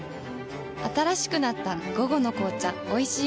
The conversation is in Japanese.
新しくなった「午後の紅茶おいしい無糖」